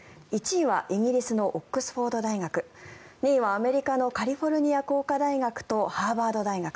１位はイギリスのオックスフォード大学２位はアメリカのカリフォルニア工科大学とハーバード大学。